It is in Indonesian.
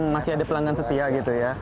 masih ada pelanggan setia gitu ya